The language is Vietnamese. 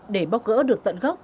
để bóc gỡ được tận gốc